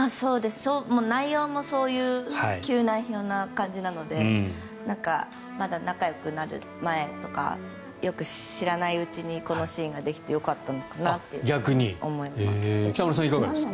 内容もそういう急な感じなのでまだ仲よくなる前とかよく知らないうちにこのシーンができてよかったのかなと思いました。